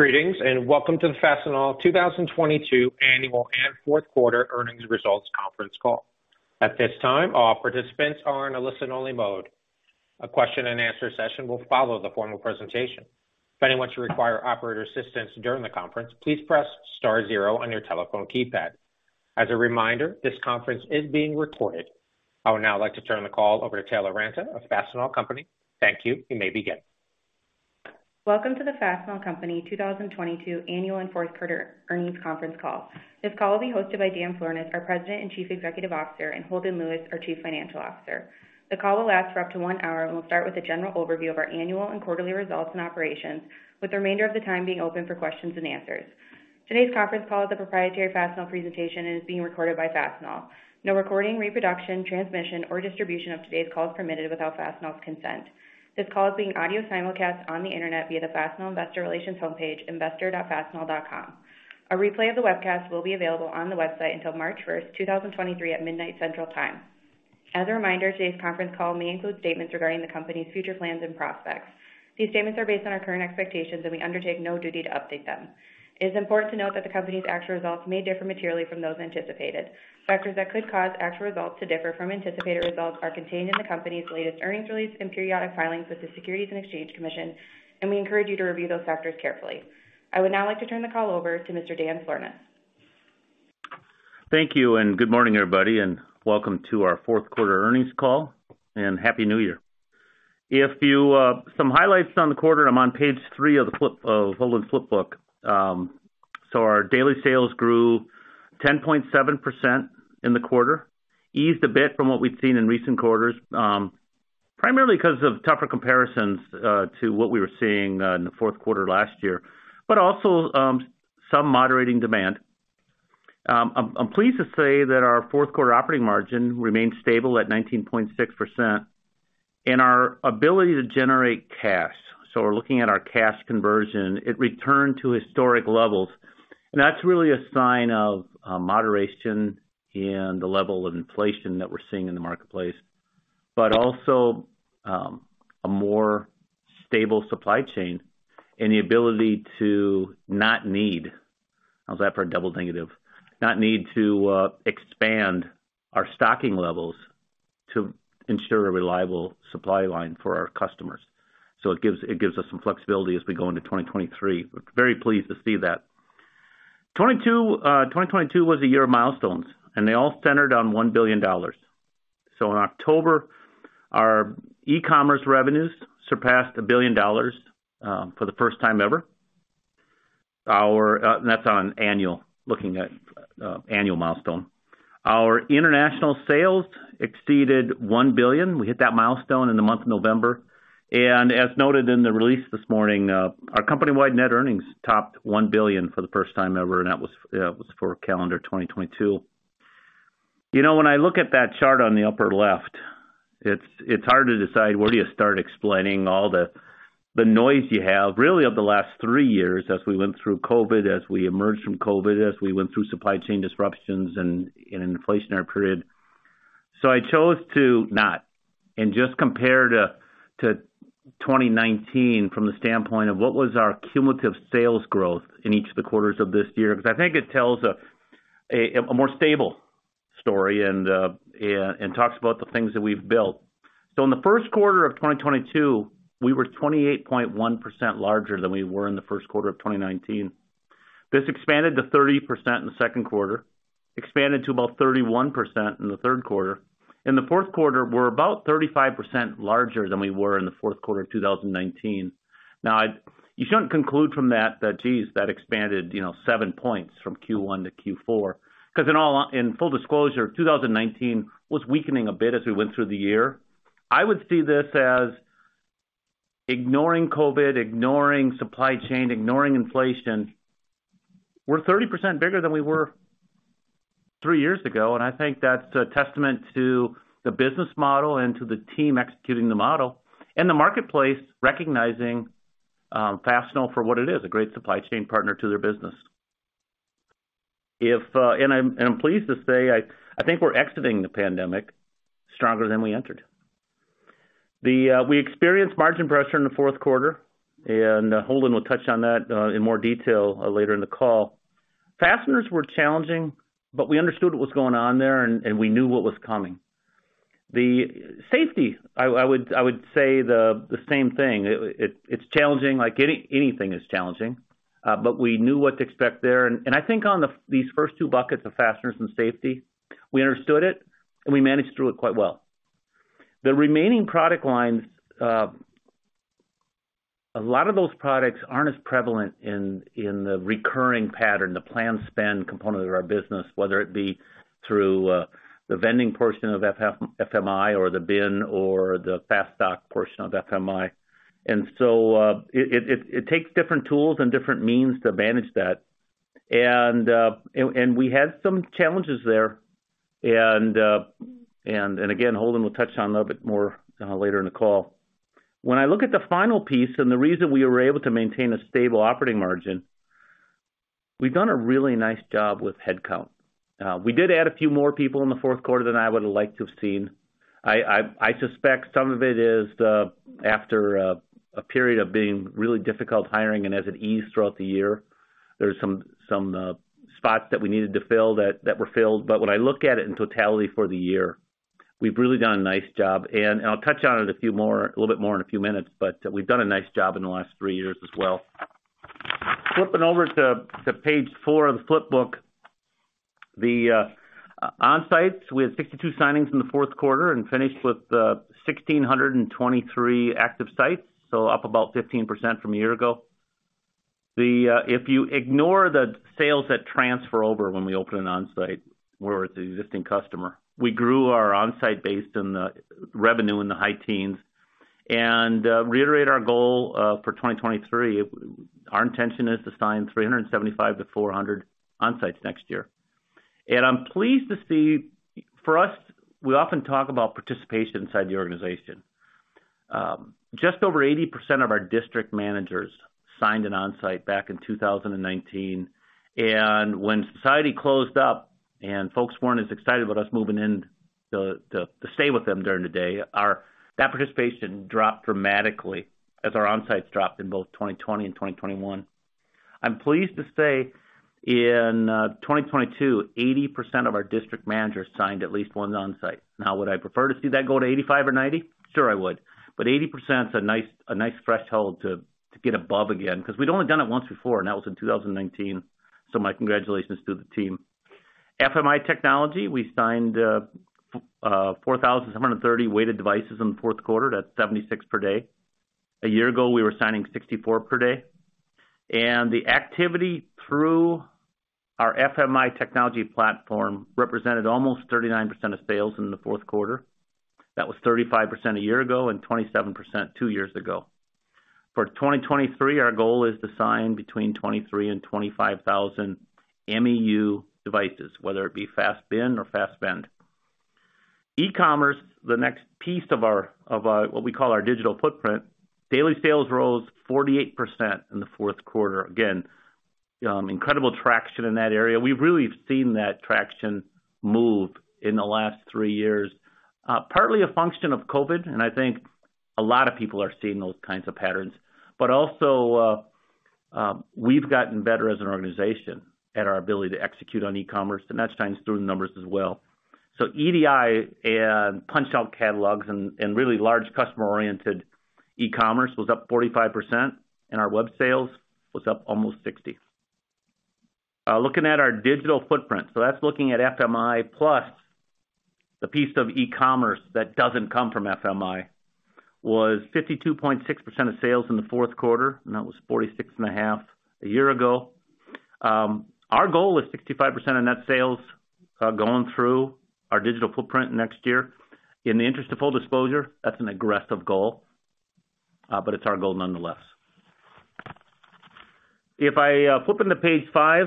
Greetings, and welcome to the Fastenal 2022 annual and fourth quarter earnings results conference call. At this time, all participants are in a listen-only mode. A question and answer session will follow the formal presentation. If anyone should require operator assistance during the conference, please press star 0 on your telephone keypad. As a reminder, this conference is being recorded. I would now like to turn the call over to Taylor Ranta of Fastenal Company. Thank you. You may begin. Welcome to the Fastenal Company 2022 annual and fourth quarter earnings conference call. This call will be hosted by Dan Florness, our President and Chief Executive Officer, and Holden Lewis, our Chief Financial Officer. The call will last for up to one hour, and we'll start with a general overview of our annual and quarterly results and operations, with the remainder of the time being open for questions and answers. Today's conference call is a proprietary Fastenal presentation and is being recorded by Fastenal. No recording, reproduction, transmission or distribution of today's call is permitted without Fastenal's consent. This call is being audio simulcast on the internet via the Fastenal Investor Relations homepage, investor.fastenal.com. A replay of the webcast will be available on the website until March 1, 2023 at midnight Central Time. As a reminder, today's conference call may include statements regarding the company's future plans and prospects. These statements are based on our current expectations. We undertake no duty to update them. It is important to note that the company's actual results may differ materially from those anticipated. Factors that could cause actual results to differ from anticipated results are contained in the company's latest earnings release and periodic filings with the Securities and Exchange Commission. We encourage you to review those factors carefully. I would now like to turn the call over to Mr. Dan Florness. Thank you, and good morning, everybody, and welcome to our fourth quarter earnings call, and Happy New Year. If you some highlights on the quarter, I'm on page 3 of Holden's flipbook. Our daily sales grew 10.7% in the quarter. Eased a bit from what we've seen in recent quarters, primarily 'cause of tougher comparisons to what we were seeing in the fourth quarter last year, but also some moderating demand. I'm pleased to say that our fourth quarter operating margin remained stable at 19.6%, and our ability to generate cash. We're looking at our cash conversion, it returned to historic levels. That's really a sign of moderation in the level of inflation that we're seeing in the marketplace. Also, a more stable supply chain and the ability to not need... How's that for a double negative? Not need to expand our stocking levels to ensure a reliable supply line for our customers. It gives us some flexibility as we go into 2023. We're very pleased to see that. 2022 was a year of milestones, and they all centered on $1 billion. In October, our e-commerce revenues surpassed $1 billion for the first time ever. Our, and that's on annual, looking at annual milestone. Our international sales exceeded $1 billion. We hit that milestone in the month of November. As noted in the release this morning, our company-wide net earnings topped $1 billion for the first time ever, and that was for calendar 2022. You know, when I look at that chart on the upper left, it's hard to decide where do you start explaining all the noise you have really over the last three years as we went through COVID, as we emerged from COVID, as we went through supply chain disruptions and an inflationary period. I chose to not, and just compare to 2019 from the standpoint of what was our cumulative sales growth in each of the quarters of this year, because I think it tells a more stable story and talks about the things that we've built. In the first quarter of 2022, we were 28.1% larger than we were in the first quarter of 2019. This expanded to 30% in the second quarter, expanded to about 31% in the third quarter. In the fourth quarter, we're about 35% larger than we were in the fourth quarter of 2019. You shouldn't conclude from that geez, that expanded, you know, 7 points from Q1 to Q4, 'cause in all in full disclosure, 2019 was weakening a bit as we went through the year. I would see this as ignoring COVID, ignoring supply chain, ignoring inflation. We're 30% bigger than we were 3 years ago, and I think that's a testament to the business model and to the team executing the model, and the marketplace recognizing Fastenal for what it is, a great supply chain partner to their business. And I'm pleased to say I think we're exiting the pandemic stronger than we entered. The we experienced margin pressure in the fourth quarter. Holden will touch on that in more detail later in the call. Fasteners were challenging, we understood what was going on there and we knew what was coming. The safety, I would say the same thing. It's challenging, like anything is challenging, but we knew what to expect there. I think on the, these first two buckets of fasteners and safety, we understood it, and we managed through it quite well. The remaining product lines, a lot of those products aren't as prevalent in the recurring pattern, the plan spend component of our business, whether it be through the vending portion of FMI or the bin or the FASTStock portion of FMI. It takes different tools and different means to manage that. We had some challenges there. Again, Holden will touch on a little bit more later in the call. When I look at the final piece and the reason we were able to maintain a stable operating margin. We've done a really nice job with headcount. We did add a few more people in the fourth quarter than I would have liked to have seen. I suspect some of it is after a period of being really difficult hiring and as it eased throughout the year, there's some spots that we needed to fill that were filled. When I look at it in totality for the year, we've really done a nice job, and I'll touch on it a little bit more in a few minutes, but we've done a nice job in the last three years as well. Flipping over to page four of the flip book. The Onsites, we had 62 signings in the fourth quarter and finished with 1,623 active sites, so up about 15% from a year ago. If you ignore the sales that transfer over when we open an Onsite where it's an existing customer, we grew our Onsite base and the revenue in the high teens. Reiterate our goal for 2023. Our intention is to sign 375-400 Onsites next year. I'm pleased to see, for us, we often talk about participation inside the organization. Just over 80% of our District Managers signed an Onsite back in 2019, and when society closed up and folks weren't as excited about us moving in to stay with them during the day, that participation dropped dramatically as our Onsites dropped in both 2020 and 2021. I'm pleased to say in 2022, 80% of our District Managers signed at least one Onsite. Would I prefer to see that go to 85 or 90? Sure, I would. 80% is a nice threshold to get above again, 'cause we'd only done it once before, and that was in 2019. My congratulations to the team. FMI technology, we signed 4,730 weighted devices in the fourth quarter. That's 76 per day. A year ago, we were signing 64 per day. The activity through our FMI technology platform represented almost 39% of sales in the fourth quarter. That was 35% a year ago and 27% two years ago. For 2023, our goal is to sign between 23,000 and 25,000 MEU devices, whether it be FAST Bin or FAST Vend. E-commerce, the next piece of our what we call our digital footprint. Daily sales rose 48% in the fourth quarter. Again, incredible traction in that area. We've really seen that traction move in the last three years, partly a function of COVID, and I think a lot of people are seeing those kinds of patterns. Also, we've gotten better as an organization at our ability to execute on e-commerce, and that shines through the numbers as well. EDI and punchout catalogs and really large customer-oriented e-commerce was up 45%, and our web sales was up almost 60%. Looking at our digital footprint, so that's looking at FMI plus the piece of e-commerce that doesn't come from FMI, was 52.6% of sales in the fourth quarter, and that was 46.5% a year ago. Our goal is 65% of net sales going through our digital footprint next year. In the interest of full disclosure, that's an aggressive goal, but it's our goal nonetheless. If I flip into page five,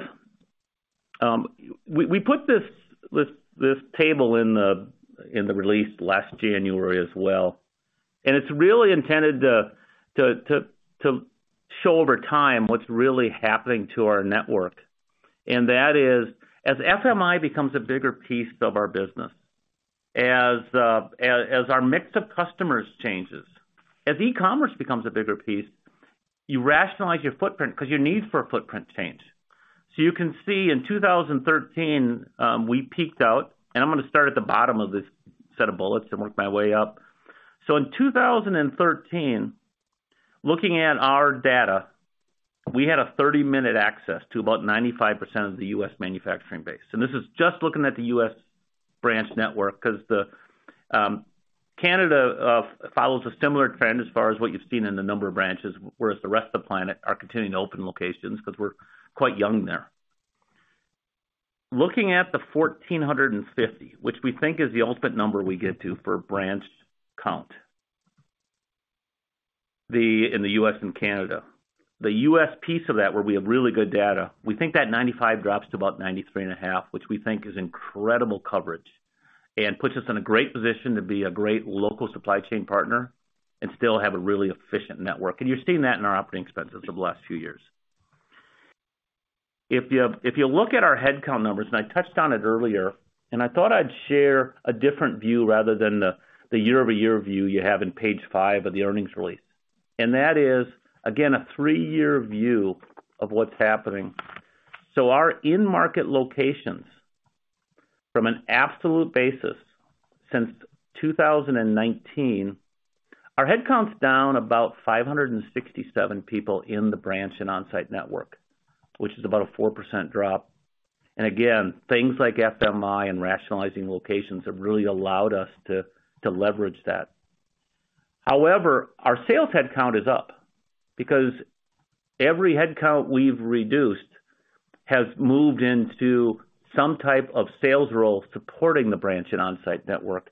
we put this table in the release last January as well, and it's really intended to show over time what's really happening to our network. That is, as FMI becomes a bigger piece of our business, as our mix of customers changes, as e-commerce becomes a bigger piece, you rationalize your footprint 'cause your need for a footprint change. You can see in 2013, we peaked out, and I'm gonna start at the bottom of this set of bullets and work my way up. In 2013, looking at our data, we had a 30-minute access to about 95% of the U.S. manufacturing base. This is just looking at the U.S. branch network 'cause the Canada follows a similar trend as far as what you've seen in the number of branches, whereas the rest of the planet are continuing to open locations because we're quite young there. Looking at the 1,450, which we think is the ultimate number we get to for branch count, in the U.S. and Canada. The U.S. piece of that where we have really good data, we think that 95 drops to about 93.5, which we think is incredible coverage and puts us in a great position to be a great local supply chain partner and still have a really efficient network. You're seeing that in our OpEx over the last few years. If you look at our headcount numbers, I touched on it earlier, and I thought I'd share a different view rather than the year-over-year view you have in page 5 of the earnings release. That is, again, a 3-year view of what's happening. Our in-market locations from an absolute basis since 2019, our headcount's down about 567 people in the branch and Onsite network, which is about a 4% drop. Again, things like FMI and rationalizing locations have really allowed us to leverage that. However, our sales headcount is up because every headcount we've reduced has moved into some type of sales role supporting the branch and Onsite network.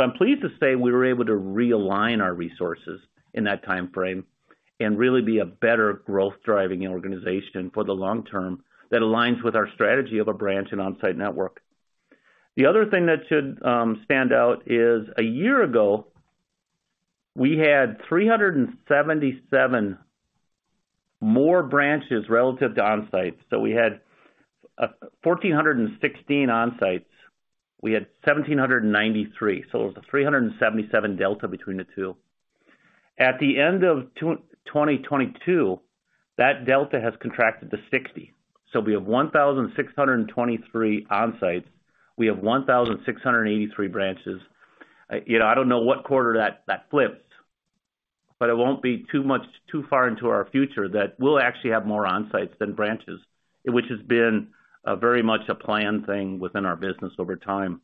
I'm pleased to say we were able to realign our resources in that timeframe and really be a better growth-driving organization for the long term that aligns with our strategy of a branch and Onsite network. The other thing that should stand out is a year ago, we had 377 more branches relative to Onsites. We had 1,416 Onsites. We had 1,793, so it was a 377 delta between the two. At the end of 2022, that delta has contracted to 60. We have 1,623 Onsites. We have 1,683 branches. You know, I don't know what quarter that flipped, but it won't be too much, too far into our future that we'll actually have more Onsites than branches, which has been very much a plan thing within our business over time.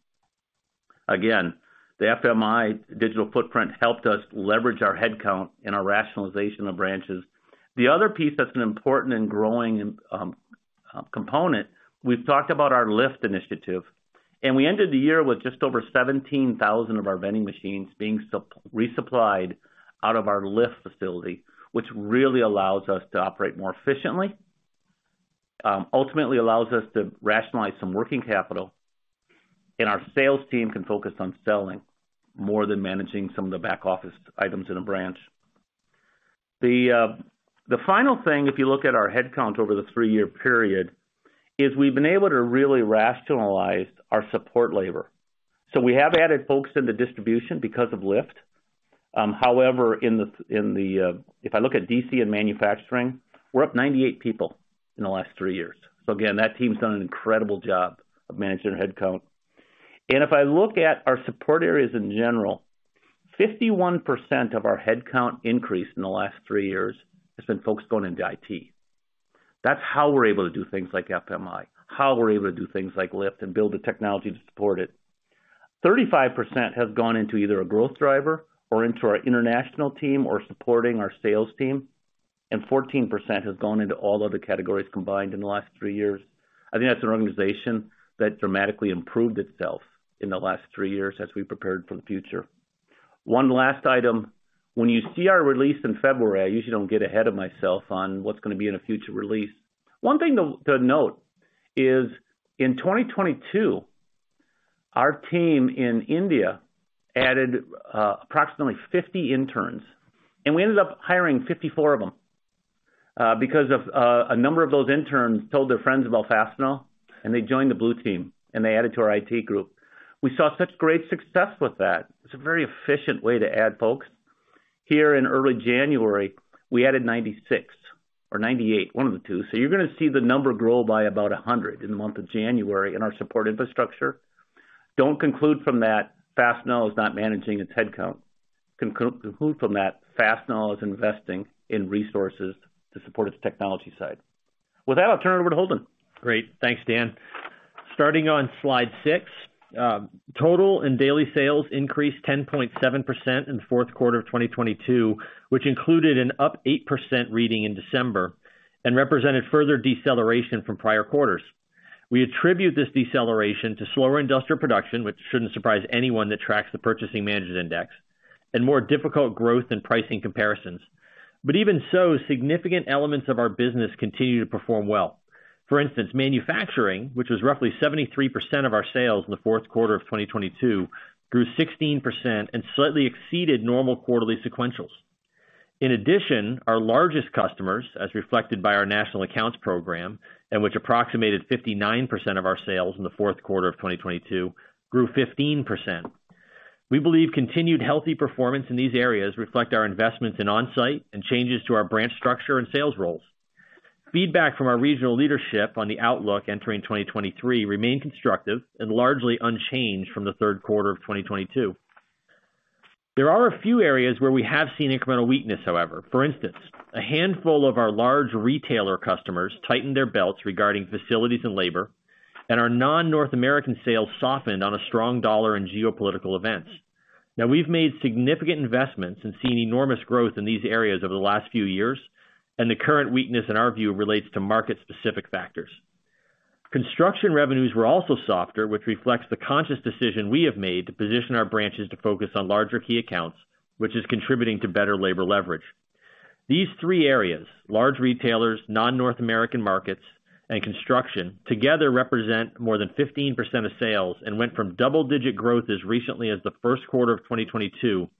Again, the FMI digital footprint helped us leverage our headcount and our rationalization of branches. The other piece that's an important and growing component, we've talked about our LIFT initiative, and we ended the year with just over 17,000 of our vending machines being resupplied out of our LIFT facility, which really allows us to operate more efficiently, ultimately allows us to rationalize some working capital, and our sales team can focus on selling more than managing some of the back office items in a branch. The final thing, if you look at our headcount over the three-year period, is we've been able to really rationalize our support labor. We have added folks into distribution because of LIFT. However, in the If I look at DC and manufacturing, we're up 98 people in the last three years. Again, that team's done an incredible job of managing our headcount. If I look at our support areas in general, 51% of our headcount increase in the last three years has been folks going into IT. That's how we're able to do things like FMI, how we're able to do things like LIFT and build the technology to support it. 35% has gone into either a growth driver or into our international team or supporting our sales team. Fourteen percent has gone into all other categories combined in the last three years. I think that's an organization that dramatically improved itself in the last three years as we prepared for the future. One last item. When you see our release in February, I usually don't get ahead of myself on what's gonna be in a future release. One thing to note is, in 2022, our team in India added approximately 50 interns, and we ended up hiring 54 of them because of a number of those interns told their friends about Fastenal, and they joined the Blue Team, and they added to our IT group. We saw such great success with that. It's a very efficient way to add folks. Here in early January, we added 96 or 98, one of the two. You're gonna see the number grow by about 100 in the month of January in our support infrastructure. Don't conclude from that Fastenal is not managing its headcount. Conclude from that Fastenal is investing in resources to support its technology side. With that, I'll turn it over to Holden. Great. Thanks, Dan. Starting on slide six. Total and daily sales increased 10.7% in the fourth quarter of 2022, which included an up 8% reading in December and represented further deceleration from prior quarters. We attribute this deceleration to slower industrial production, which shouldn't surprise anyone that tracks the Purchasing Managers' Index, and more difficult growth and pricing comparisons. Even so, significant elements of our business continue to perform well. For instance, manufacturing, which was roughly 73% of our sales in the fourth quarter of 2022, grew 16% and slightly exceeded normal quarterly sequentials. In addition, our largest customers, as reflected by our national accounts program, and which approximated 59% of our sales in the fourth quarter of 2022, grew 15%. We believe continued healthy performance in these areas reflect our investments in Onsite and changes to our branch structure and sales roles. Feedback from our regional leadership on the outlook entering 2023 remained constructive and largely unchanged from the third quarter of 2022. There are a few areas where we have seen incremental weakness, however. For instance, a handful of our large retailer customers tightened their belts regarding facilities and labor, and our non-North American sales softened on a strong dollar in geopolitical events. We've made significant investments and seen enormous growth in these areas over the last few years, and the current weakness, in our view, relates to market-specific factors. Construction revenues were also softer, which reflects the conscious decision we have made to position our branches to focus on larger key accounts, which is contributing to better labor leverage. These three areas, large retailers, non-North American markets, and construction, together represent more than 15% of sales and went from double-digit growth as recently as the first quarter of 2022 to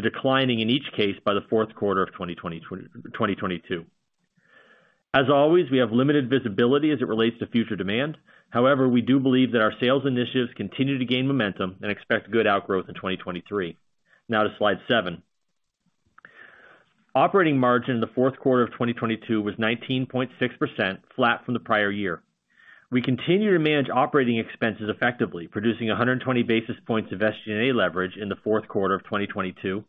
declining in each case by the fourth quarter of 2022. As always, we have limited visibility as it relates to future demand. We do believe that our sales initiatives continue to gain momentum and expect good outgrowth in 2023. To slide 7. Operating margin in the fourth quarter of 2022 was 19.6%, flat from the prior year. We continue to manage operating expenses effectively, producing 120 basis points of SG&A leverage in the fourth quarter of 2022.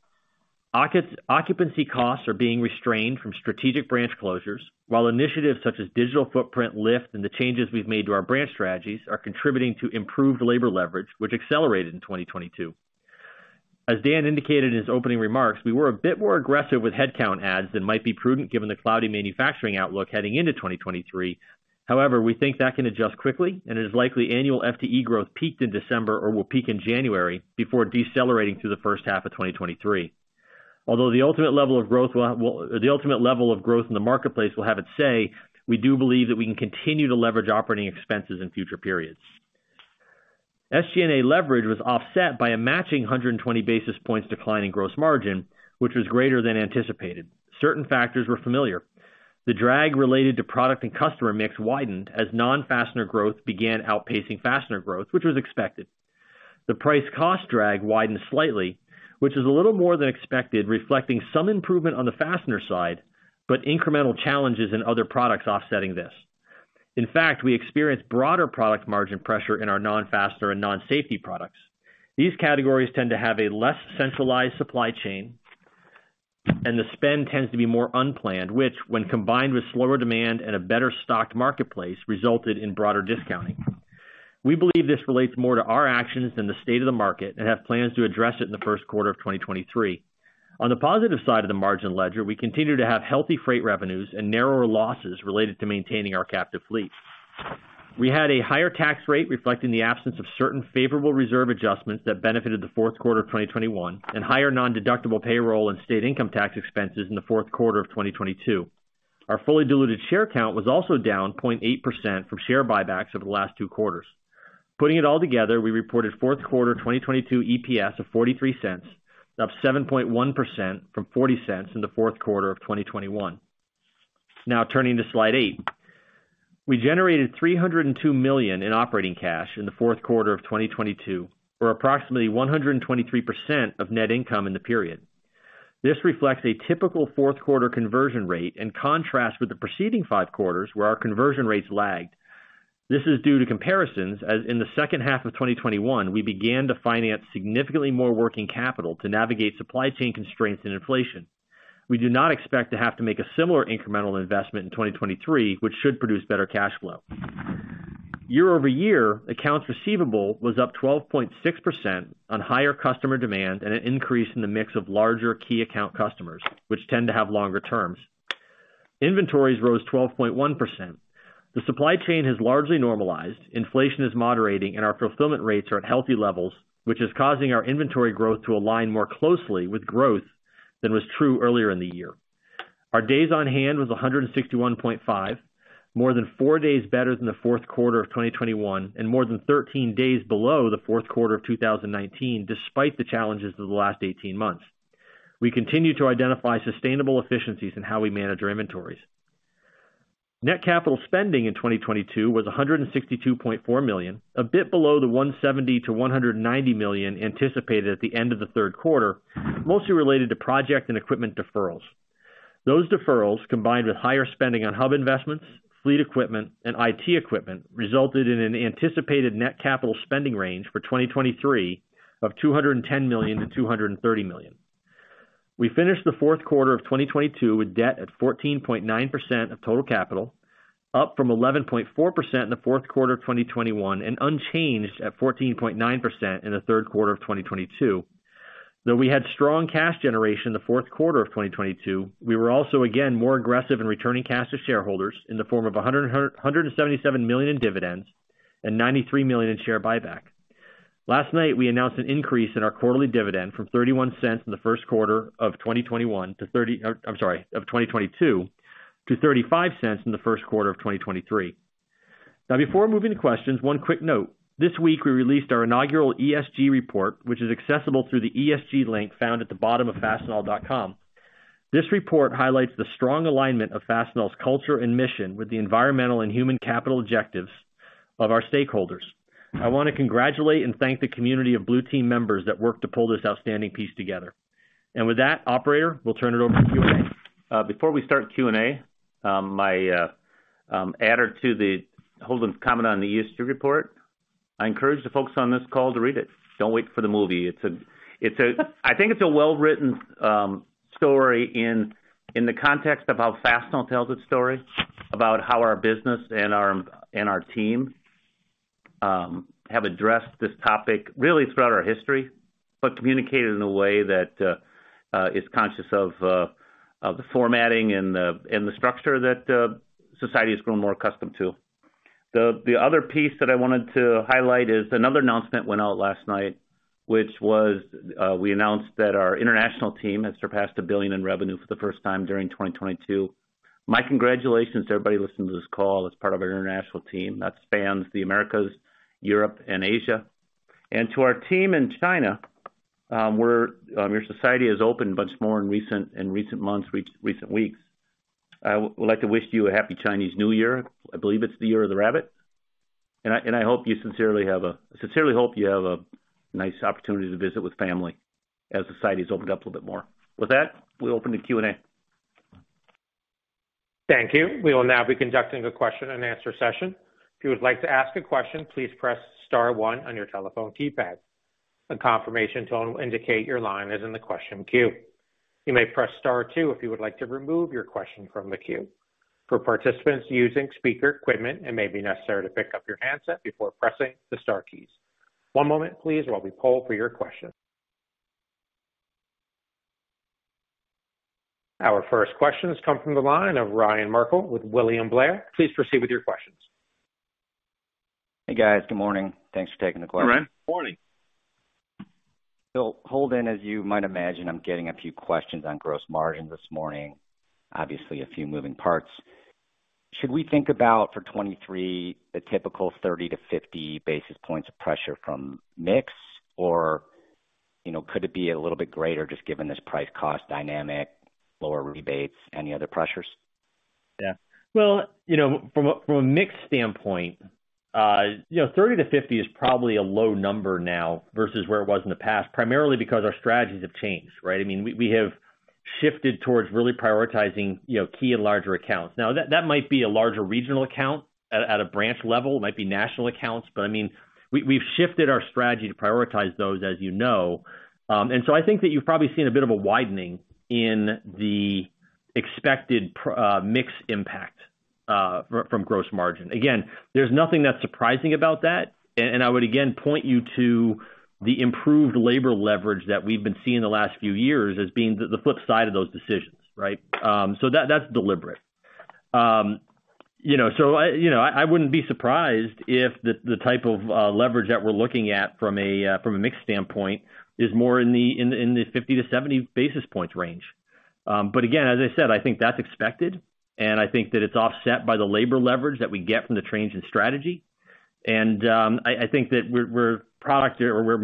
Occupancy costs are being restrained from strategic branch closures, while initiatives such as digital footprint LIFT and the changes we've made to our branch strategies are contributing to improved labor leverage, which accelerated in 2022. As Dan indicated in his opening remarks, we were a bit more aggressive with headcount adds than might be prudent given the cloudy manufacturing outlook heading into 2023. We think that can adjust quickly, and it is likely annual FTE growth peaked in December or will peak in January before decelerating through the first half of 2023. Although the ultimate level of growth in the marketplace will have its say, we do believe that we can continue to leverage operating expenses in future periods. SG&A leverage was offset by a matching 120 basis points decline in gross margin, which was greater than anticipated. Certain factors were familiar. The drag related to product and customer mix widened as non-fastener growth began outpacing fastener growth, which was expected. The price cost drag widened slightly, which is a little more than expected, reflecting some improvement on the fastener side, but incremental challenges in other products offsetting this. In fact, we experienced broader product margin pressure in our non-fastener and non-safety products. These categories tend to have a less centralized supply chain, and the spend tends to be more unplanned, which, when combined with slower demand and a better-stocked marketplace, resulted in broader discounting. We believe this relates more to our actions than the state of the market and have plans to address it in the first quarter of 2023. On the positive side of the margin ledger, we continue to have healthy freight revenues and narrower losses related to maintaining our captive fleet. We had a higher tax rate reflecting the absence of certain favorable reserve adjustments that benefited the fourth quarter of 2021 and higher nondeductible payroll and state income tax expenses in the fourth quarter of 2022. Our fully diluted share count was also down 0.8% from share buybacks over the last 2 quarters. Putting it all together, we reported fourth quarter 2022 EPS of $0.43, up 7.1% from $0.40 in the fourth quarter of 2021. Turning to slide 8. We generated $302 million in operating cash in the fourth quarter of 2022, or approximately 123% of net income in the period. This reflects a typical fourth quarter conversion rate in contrast with the preceding 5 quarters, where our conversion rates lagged. This is due to comparisons, as in the second half of 2021, we began to finance significantly more working capital to navigate supply chain constraints and inflation. We do not expect to have to make a similar incremental investment in 2023, which should produce better cash flow. Year over year, accounts receivable was up 12.6% on higher customer demand and an increase in the mix of larger key account customers, which tend to have longer terms. Inventories rose 12.1%. The supply chain has largely normalized. Inflation is moderating, and our fulfillment rates are at healthy levels, which is causing our inventory growth to align more closely with growth than was true earlier in the year. Our days on hand was 161.5, more than four days better than the fourth quarter of 2021 and more than 13 days below the fourth quarter of 2019, despite the challenges of the last 18 months. We continue to identify sustainable efficiencies in how we manage our inventories. Net capital spending in 2022 was $162.4 million, a bit below the $170 million-$190 million anticipated at the end of the third quarter, mostly related to project and equipment deferrals. Those deferrals, combined with higher spending on hub investments, fleet equipment, and IT equipment, resulted in an anticipated net capital spending range for 2023 of $210 million-$230 million. We finished the fourth quarter of 2022 with debt at 14.9% of total capital, up from 11.4% in the fourth quarter of 2021 and unchanged at 14.9% in the third quarter of 2022. We had strong cash generation in the fourth quarter of 2022, we were also again more aggressive in returning cash to shareholders in the form of $177 million in dividends and $93 million in share buyback. Last night, we announced an increase in our quarterly dividend from $0.31 in the first quarter of 2021, I'm sorry, of 2022 to $0.35 in the first quarter of 2023. Before moving to questions, one quick note. This week, we released our inaugural ESG report, which is accessible through the ESG link found at the bottom of fastenal.com. This report highlights the strong alignment of Fastenal's culture and mission with the environmental and human capital objectives of our stakeholders. I wanna congratulate and thank the community of Blue Team members that worked to pull this outstanding piece together. With that, operator, we'll turn it over to Q&A. Before we start Q&A, my adder to Holden's comment on the ESG report. I encourage the folks on this call to read it. Don't wait for the movie. It's I think it's a well-written story in the context of how Fastenal tells its story, about how our business and our team have addressed this topic really throughout our history, but communicated in a way that is conscious of the formatting and the structure that society has grown more accustomed to. The other piece that I wanted to highlight is another announcement went out last night, which was we announced that our international team has surpassed $1 billion in revenue for the first time during 2022. My congratulations to everybody listening to this call as part of our international team that spans the Americas, Europe, and Asia. To our team in China, where your society has opened much more in recent months, recent weeks. I would like to wish you a happy Chinese New Year. I believe it's the year of the rabbit. I hope you sincerely have a nice opportunity to visit with family as society has opened up a little bit more. With that, we open to Q&A. Thank you. We will now be conducting a question and answer session. If you would like to ask a question, please press star one on your telephone keypad. A confirmation tone will indicate your line is in the question queue. You may press star two if you would like to remove your question from the queue. For participants using speaker equipment, it may be necessary to pick up your handset before pressing the star keys. One moment please while we poll for your question. Our first question has come from the line of Ryan Merkel with William Blair. Please proceed with your questions. Hey, guys. Good morning. Thanks for taking the call. Hi. Morning. Holden, as you might imagine, I'm getting a few questions on gross margin this morning. Obviously, a few moving parts. Should we think about for 2023 a typical 30-50 basis points of pressure from mix or, you know, could it be a little bit greater just given this price cost dynamic, lower rebates, any other pressures? Yeah. Well, you know, from a, from a mix standpoint, you know, 30%-50% is probably a low number now versus where it was in the past, primarily because our strategies have changed, right? I mean, we have shifted towards really prioritizing, you know, key and larger accounts. Now that might be a larger regional account at a branch level, might be national accounts, but I mean, we've shifted our strategy to prioritize those, as you know. So I think that you've probably seen a bit of a widening in the expected mix impact from gross margin. Again, there's nothing that's surprising about that. I would again point you to the improved labor leverage that we've been seeing the last few years as being the flip side of those decisions, right? So that's deliberate. You know, so I, you know, I wouldn't be surprised if the type of leverage that we're looking at from a mix standpoint is more in the 50-70 basis points range. Again, as I said, I think that's expected, and I think that it's offset by the labor leverage that we get from the change in strategy. I think that where products or where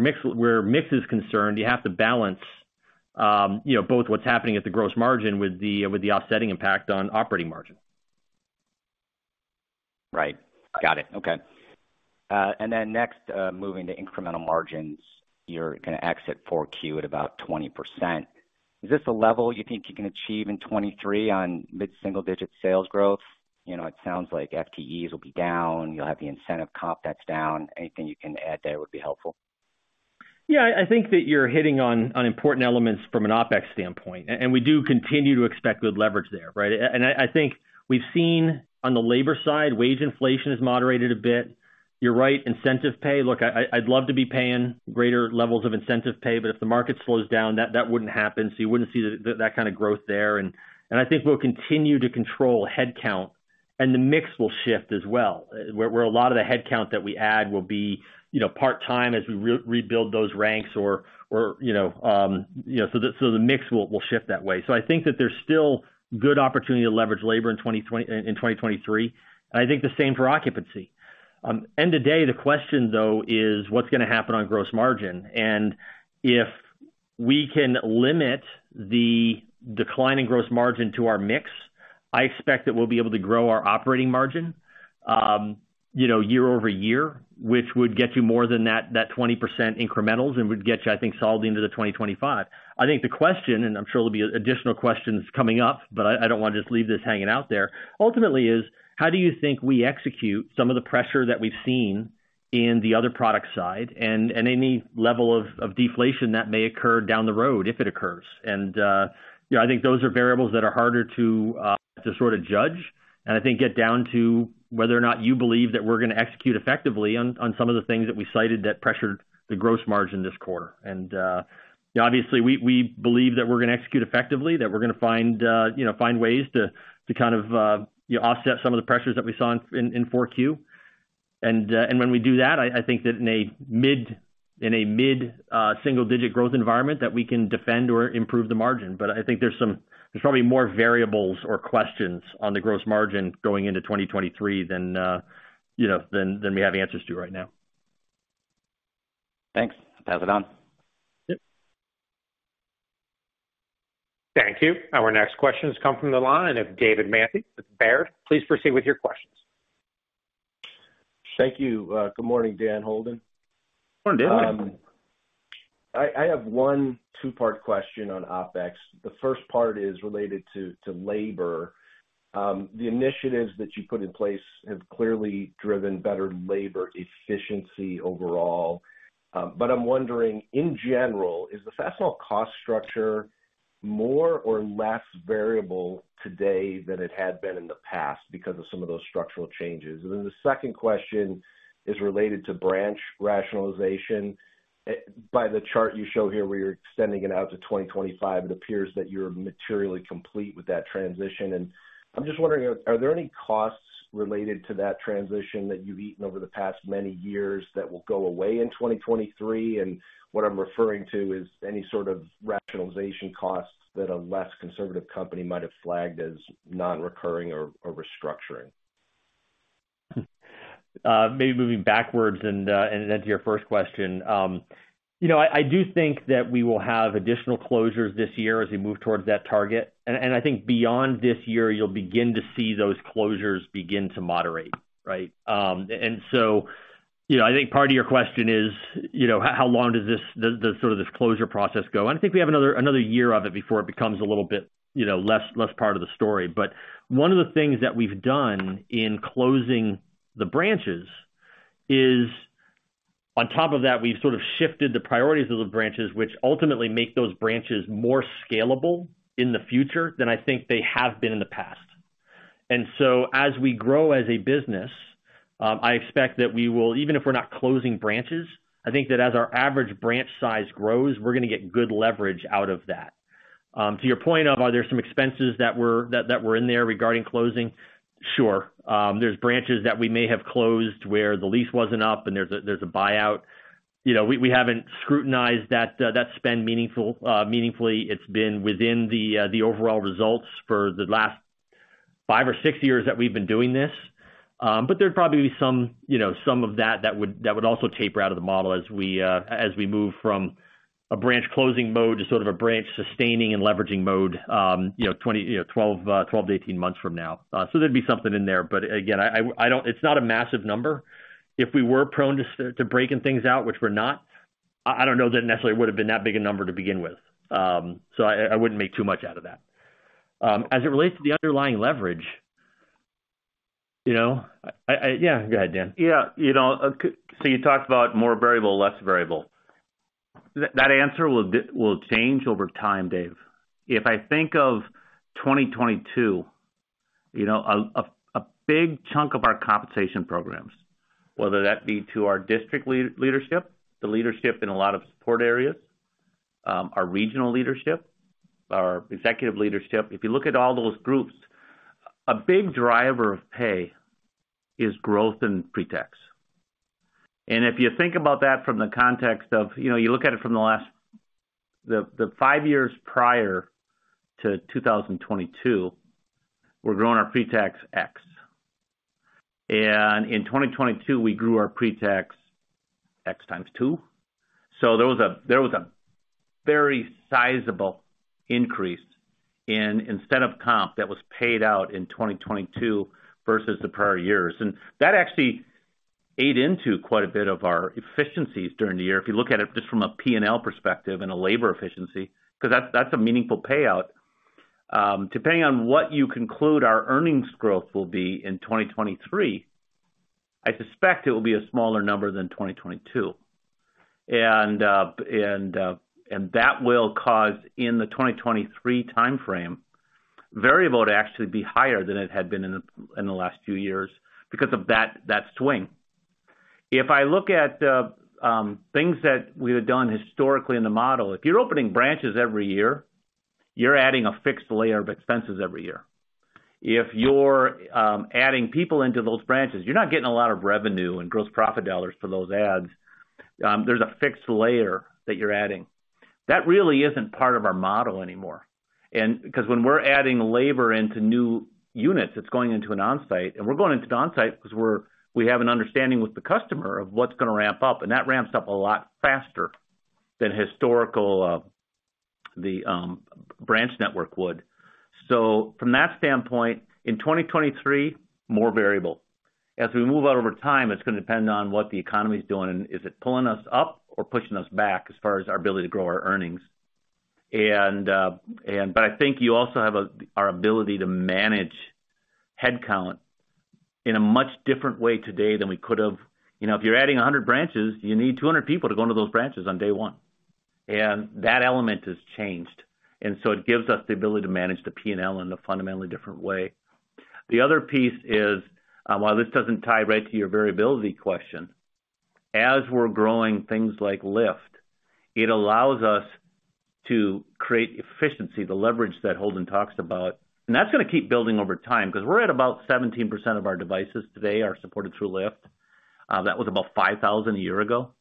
mix is concerned, you have to balance, you know, both what's happening at the gross margin with the offsetting impact on operating margin. Right. Got it. Okay. Next, moving to incremental margins, you're gonna exit 4Q at about 20%. Is this a level you think you can achieve in 2023 on mid-single-digit sales growth? You know, it sounds like FTEs will be down. You'll have the incentive comp that's down. Anything you can add there would be helpful. Yeah. I think that you're hitting on important elements from an OpEx standpoint, and we do continue to expect good leverage there, right? I think we've seen on the labor side, wage inflation has moderated a bit. You're right, incentive pay. Look, I'd love to be paying greater levels of incentive pay, but if the market slows down, that wouldn't happen, so you wouldn't see that kind of growth there. I think we'll continue to control headcount and the mix will shift as well, where a lot of the headcount that we add will be, you know, part-time as we rebuild those ranks or, you know, so the mix will shift that way. I think that there's still good opportunity to leverage labor in 2023. I think the same for occupancy. End of day, the question, though, is what's gonna happen on gross margin. If we can limit the decline in gross margin to our mix, I expect that we'll be able to grow our operating margin, you know, year over year, which would get you more than that 20% incrementals and would get you, I think, solid into the 2025. I think the question, and I'm sure there'll be additional questions coming up, but I don't wanna just leave this hanging out there. Ultimately is how do you think we execute some of the pressure that we've seen in the other product side and any level of deflation that may occur down the road, if it occurs? You know, I think those are variables that are harder to sort of judge. I think get down to whether or not you believe that we're gonna execute effectively on some of the things that we cited that pressured the gross margin this quarter. Obviously, we believe that we're gonna execute effectively, that we're gonna find, you know, find ways to kind of, you know, offset some of the pressures that we saw in 4Q. When we do that, I think that in a mid single-digit growth environment, that we can defend or improve the margin. I think there's probably more variables or questions on the gross margin going into 2023 than, you know, than we have answers to right now. Thanks. Pass it on. Yep. Thank you. Our next question has come from the line of David Manthey with Baird. Please proceed with your questions. Thank you. Good morning, Dan Florness. Good morning, David. I have 1 2-part question on OpEx. The first part is related to labor. The initiatives that you put in place have clearly driven better labor efficiency overall. I'm wondering, in general, is the Fastenal cost structure more or less variable today than it had been in the past because of some of those structural changes? The second question is related to branch rationalization. By the chart you show here, where you're extending it out to 2025, it appears that you're materially complete with that transition. I'm just wondering, are there any costs related to that transition that you've eaten over the past many years that will go away in 2023? What I'm referring to is any sort of rationalization costs that a less conservative company might have flagged as non-recurring or restructuring. Maybe moving backwards and then to your first question. You know, I do think that we will have additional closures this year as we move towards that target. I think beyond this year, you'll begin to see those closures begin to moderate, right? You know, I think part of your question is, you know, how long does this sort of this closure process go? I think we have another year of it before it becomes a little bit, you know, less part of the story. One of the things that we've done in closing the branches is on top of that, we've sort of shifted the priorities of the branches, which ultimately make those branches more scalable in the future than I think they have been in the past. As we grow as a business, I expect that we will even if we're not closing branches, I think that as our average branch size grows, we're gonna get good leverage out of that. To your point of are there some expenses that were in there regarding closing? Sure. There's branches that we may have closed where the lease wasn't up and there's a buyout. You know, we haven't scrutinized that spend meaningful, meaningfully. It's been within the overall results for the last 5 or 6 years that we've been doing this. There'd probably be some, you know, some of that would, that would also taper out of the model as we as we move from a branch closing mode to sort of a branch sustaining and leveraging mode, you know, 12 to 18 months from now. There'd be something in there. Again, It's not a massive number. If we were prone to breaking things out, which we're not, I don't know that it necessarily would've been that big a number to begin with. I wouldn't make too much out of that. As it relates to the underlying leverage, you know, Yeah, go ahead, Dan. Yeah. You know, so you talked about more variable, less variable. That answer will change over time, Dave. If I think of 2022, you know, a big chunk of our compensation programs, whether that be to our district leadership, the leadership in a lot of support areas, our regional leadership, our executive leadership. If you look at all those groups, a big driver of pay is growth in pre-tax. If you think about that from the context of, you know, you look at it from the last. The 5 years prior to 2022, we're growing our pre-tax X. In 2022, we grew our pre-tax X times 2. There was a very sizable increase in incentive comp that was paid out in 2022 versus the prior years. That actually ate into quite a bit of our efficiencies during the year. If you look at it just from a P&L perspective and a labor efficiency, 'cause that's a meaningful payout. Depending on what you conclude our earnings growth will be in 2023, I suspect it will be a smaller number than 2022. That will cause, in the 2023 timeframe, variable to actually be higher than it had been in the last few years because of that swing. If I look at things that we have done historically in the model, if you're opening branches every year, you're adding a fixed layer of expenses every year. If you're adding people into those branches, you're not getting a lot of revenue and gross profit dollars for those adds. There's a fixed layer that you're adding. That really isn't part of our model anymore. Because when we're adding labor into new units, it's going into an Onsite, and we're going into the Onsite because we have an understanding with the customer of what's gonna ramp up, and that ramps up a lot faster than historical the branch network would. From that standpoint, in 2023, more variable. As we move out over time, it's gonna depend on what the economy is doing and is it pulling us up or pushing us back as far as our ability to grow our earnings. But I think you also have our ability to manage headcount in a much different way today than we could have. You know, if you're adding 100 branches, you need 200 people to go into those branches on day one. That element has changed, and so it gives us the ability to manage the P&L in a fundamentally different way. The other piece is, while this doesn't tie right to your variability question, as we're growing things like LIFT, it allows us to create efficiency, the leverage that Holden talks about. That's gonna keep building over time 'cause we're at about 17% of our devices today are supported through LIFT. That was about 5,000 a year ago.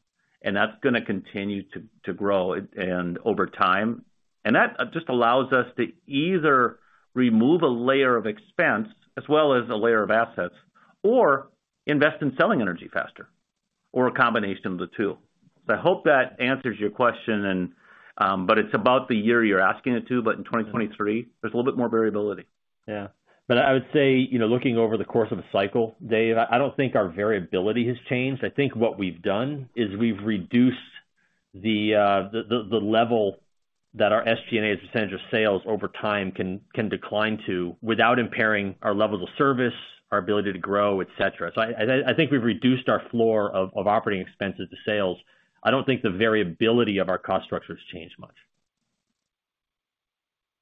That's gonna continue to grow and over time. That just allows us to either remove a layer of expense as well as a layer of assets or invest in selling energy faster, or a combination of the two. I hope that answers your question and. It's about the year you're asking it to. In 2023, there's a little bit more variability. Yeah. I would say, you know, looking over the course of a cycle, Dave, I don't think our variability has changed. I think what we've done is we've reduced the level that our SG&A as a percentage of sales over time can decline to without impairing our levels of service, our ability to grow, et cetera. I think we've reduced our floor of operating expenses to sales. I don't think the variability of our cost structure has changed much.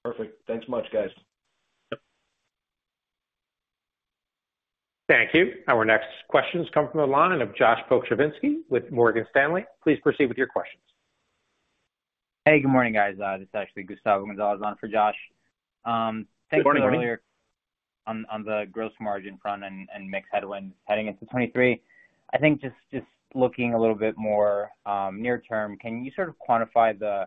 Perfect. Thanks much, guys. Yep. Thank you. Our next questions come from the line of Josh Pokrzywinski with Morgan Stanley. Please proceed with your questions. Hey, good morning, guys. This is actually Gustavo Gonzalez on for Josh. Good morning. Thanks for earlier on the gross margin front and mix headwinds heading into 2023. I think just looking a little bit more near term, can you sort of quantify the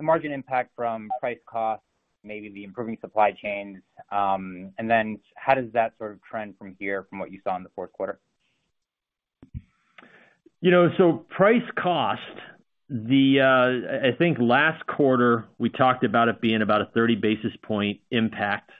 margin impact from price cost, maybe the improving supply chains? How does that sort of trend from here from what you saw in the fourth quarter? You know, so price cost, the, I think last quarter we talked about it being about a 30 basis point impact.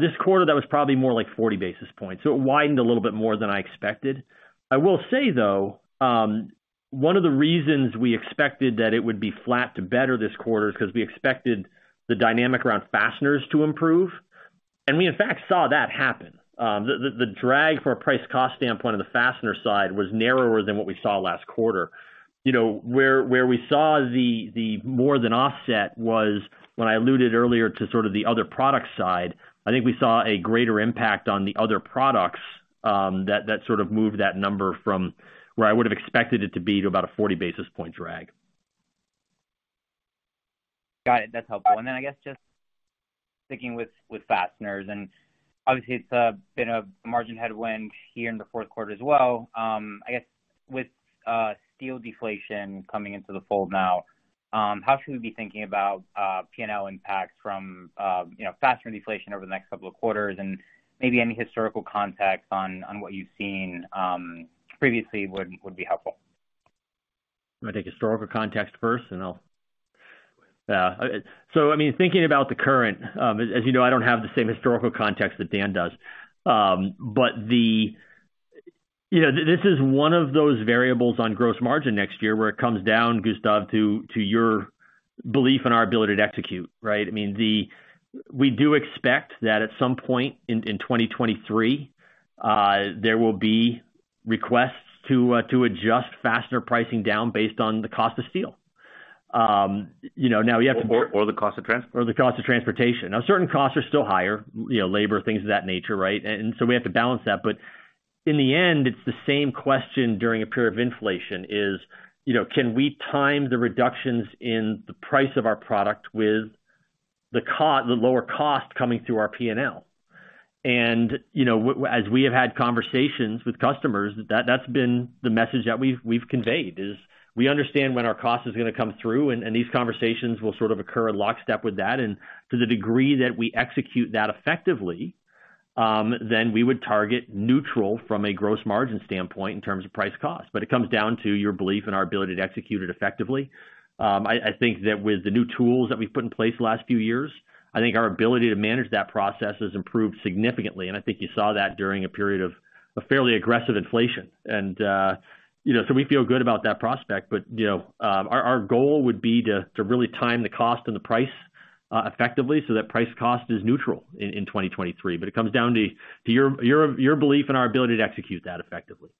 This quarter that was probably more like 40 basis points, so it widened a little bit more than I expected. I will say, though, one of the reasons we expected that it would be flat to better this quarter is 'cause we expected the dynamic around fasteners to improve. We in fact saw that happen. The, the drag for a price cost standpoint on the fastener side was narrower than what we saw last quarter. You know, where we saw the more than offset was when I alluded earlier to sort of the other product side. I think we saw a greater impact on the other products, that sort of moved that number from where I would have expected it to be to about a 40 basis point drag. Got it. That's helpful. Then I guess just sticking with fasteners, and obviously it's been a margin headwind here in the fourth quarter as well. I guess with steel deflation coming into the fold now, how should we be thinking about PNL impacts from, you know, fastener deflation over the next couple of quarters? Maybe any historical context on what you've seen previously would be helpful. I'm gonna take historical context first. I mean, thinking about the current, as you know, I don't have the same historical context that Dan does. You know, this is one of those variables on gross margin next year where it comes down, Gustav, to your belief in our ability to execute, right? I mean, we do expect that at some point in 2023, there will be requests to adjust fastener pricing down based on the cost of steel. You know, now you have to- The cost of transport. The cost of transportation. Now, certain costs are still higher, you know, labor, things of that nature, right? We have to balance that. In the end, it's the same question during a period of inflation is, you know, can we time the reductions in the price of our product with the lower cost coming through our P&L? You know, as we have had conversations with customers, that's been the message that we've conveyed, is we understand when our cost is gonna come through, and these conversations will sort of occur in lockstep with that. To the degree that we execute that effectively, we would target neutral from a gross margin standpoint in terms of price cost. It comes down to your belief in our ability to execute it effectively. I think that with the new tools that we've put in place the last few years, I think our ability to manage that process has improved significantly, and I think you saw that during a period of a fairly aggressive inflation. you know, so we feel good about that prospect. you know, our goal would be to really time the cost and the price, effectively so that price cost is neutral in 2023. It comes down to your belief in our ability to execute that effectively.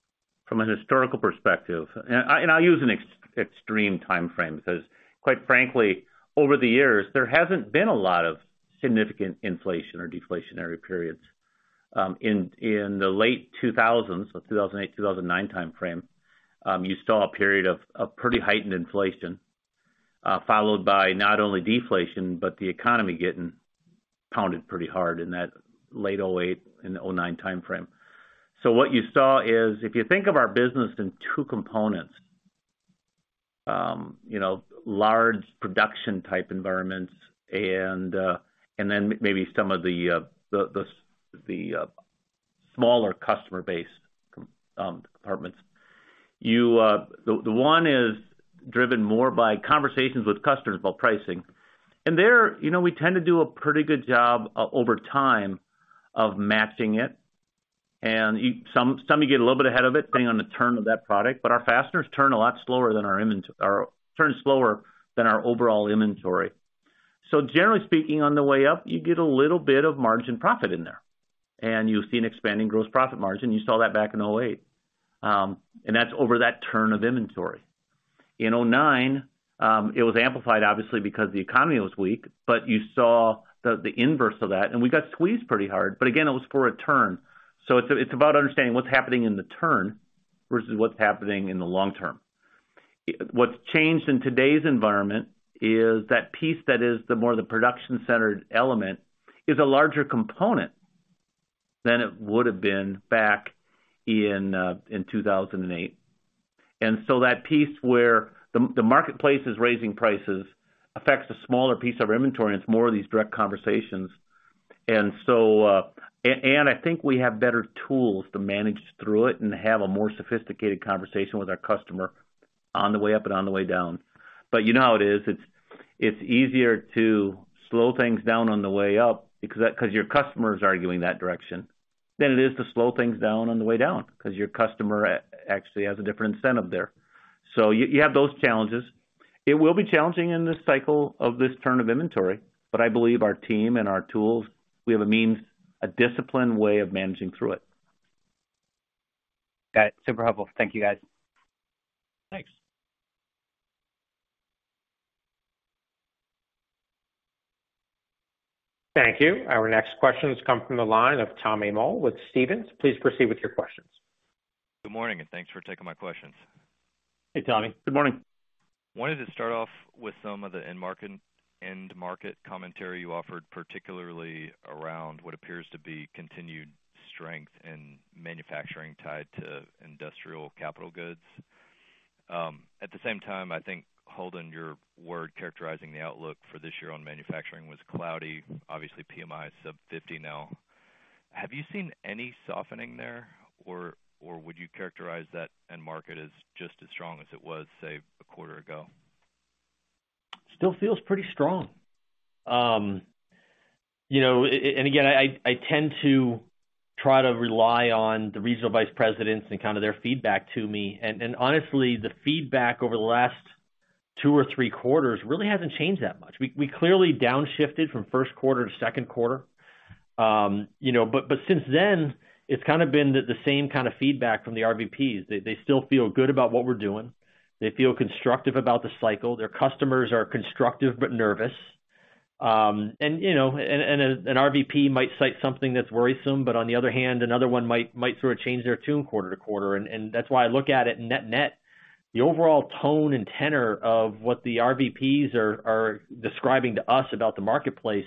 From a historical perspective, I'll use an extreme timeframe because quite frankly, over the years, there hasn't been a lot of significant inflation or deflationary periods. In the late 2000s, 2008, 2009 timeframe, you saw a period of pretty heightened inflation, followed by not only deflation, but the economy getting pounded pretty hard in that late '08 and '09 timeframe. What you saw is, if you think of our business in two components, you know, large production type environments and then maybe some of the smaller customer-based departments. The one is driven more by conversations with customers about pricing. There, you know, we tend to do a pretty good job over time of matching it. Some you get a little bit ahead of it, depending on the turn of that product, but our fasteners turn a lot slower than our or turn slower than our overall inventory. Generally speaking, on the way up, you get a little bit of margin profit in there, and you'll see an expanding gross profit margin. You saw that back in 2008, that's over that turn of inventory. In 2009, it was amplified obviously because the economy was weak, you saw the inverse of that, and we got squeezed pretty hard. Again, it was for a turn. It's about understanding what's happening in the turn versus what's happening in the long term. What's changed in today's environment is that piece that is the more the production-centered element is a larger component than it would have been back in 2008. That piece where the marketplace is raising prices affects a smaller piece of our inventory, and it's more of these direct conversations. I think we have better tools to manage through it and have a more sophisticated conversation with our customer on the way up and on the way down. You know how it is. It's, it's easier to slow things down on the way up because 'cause your customer is arguing that direction, than it is to slow things down on the way down 'cause your customer actually has a different incentive there. You have those challenges. It will be challenging in this cycle of this turn of inventory, but I believe our team and our tools, we have a means, a disciplined way of managing through it. Got it. Super helpful. Thank you, guys. Thanks. Thank you. Our next question comes from the line of Tommy Moll with Stephens. Please proceed with your questions. Good morning, and thanks for taking my questions. Hey, Tommy. Good morning. Wanted to start off with some of the end market commentary you offered, particularly around what appears to be continued strength in manufacturing tied to industrial capital goods. At the same time, I think, Holden, your word characterizing the outlook for this year on manufacturing was cloudy. Obviously, PMI is sub 50 now. Have you seen any softening there, or would you characterize that end market as just as strong as it was, say, a quarter ago? Still feels pretty strong. you know, and again, I tend to try to rely on the Regional Vice Presidents and kind of their feedback to me. Honestly, the feedback over the last 2 or 3 quarters really hasn't changed that much. We clearly downshifted from 1st quarter to 2nd quarter. you know, but since then, it's kind of been the same kind of feedback from the RVPs. They, they still feel good about what we're doing. They feel constructive about the cycle. Their customers are constructive, but nervous. you know, and an RVP might cite something that's worrisome, but on the other hand, another one might sort of change their tune quarter-to-quarter. That's why I look at it net-net. The overall tone and tenor of what the RVPs are describing to us about the marketplace,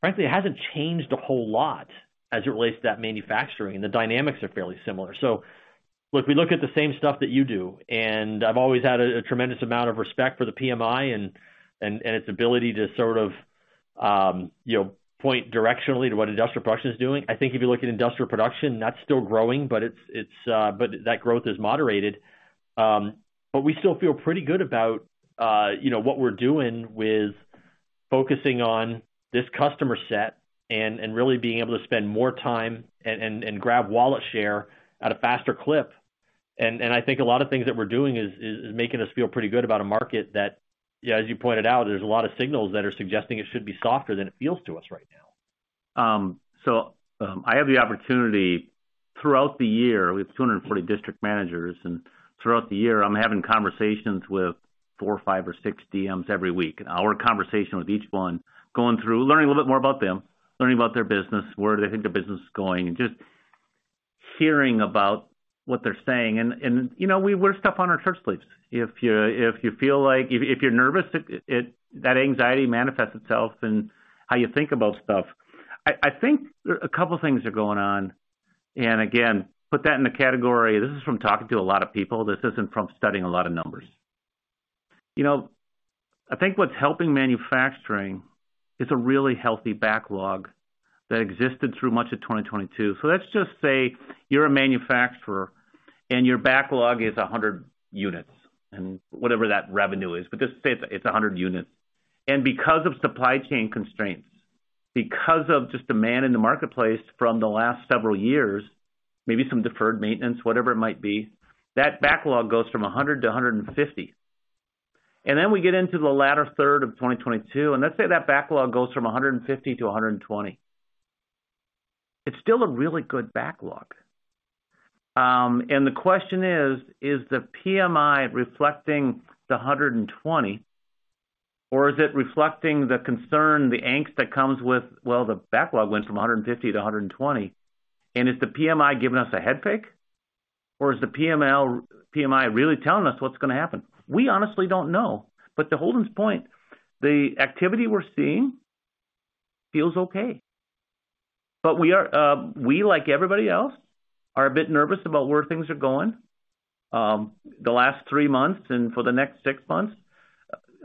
frankly, it hasn't changed a whole lot as it relates to that manufacturing. The dynamics are fairly similar. Look, we look at the same stuff that you do, and I've always had a tremendous amount of respect for the PMI and its ability to sort of, you know, point directionally to what industrial production is doing. I think if you look at industrial production, that's still growing, but that growth is moderated. We still feel pretty good about, you know, what we're doing with focusing on this customer set and really being able to spend more time and grab wallet share at a faster clip. I think a lot of things that we're doing is making us feel pretty good about a market that, yeah, as you pointed out, there's a lot of signals that are suggesting it should be softer than it feels to us right now. I have the opportunity throughout the year with 240 District Managers, and throughout the year, I'm having conversations with four, five or six DMs every week. An hour conversation with each one, going through, learning a little bit more about them, learning about their business, where they think their business is going, and just hearing about what they're saying. You know, we wear stuff on our shirt sleeves. If you feel like If you're nervous, That anxiety manifests itself in how you think about stuff. I think a couple of things are going on, again, put that in the category, this is from talking to a lot of people, this isn't from studying a lot of numbers. You know, I think what's helping manufacturing is a really healthy backlog that existed through much of 2022. Let's just say you're a manufacturer and your backlog is 100 units, and whatever that revenue is, but just say it's 100 units. Because of supply chain constraints, because of just demand in the marketplace from the last several years, maybe some deferred maintenance, whatever it might be, that backlog goes from 100 to 150. Then we get into the latter third of 2022, and let's say that backlog goes from 150 to 120. It's still a really good backlog. The question is the PMI reflecting the 120, or is it reflecting the concern, the angst that comes with, well, the backlog went from 150 to 120. Is the PMI giving us a head fake or is the PMI really telling us what's gonna happen? We honestly don't know. To Holden's point, the activity we're seeing feels okay. We are, we, like everybody else, are a bit nervous about where things are going, the last 3 months and for the next 6 months.